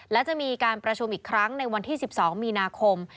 และจะมีการประชุมอีกครั้งในวันที่๑๒มีนาคม